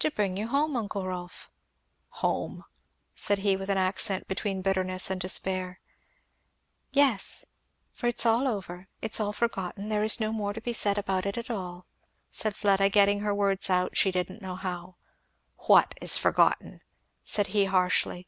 "To bring you home, uncle Rolf." "Home!" said he, with an accent between bitterness and despair. "Yes, for it's all over, it's all forgotten there is no more to be said about it at all," said Fleda, getting her words out she didn't know how. "What is forgotten?" said he harshly.